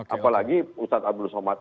apalagi ustadz abdul somad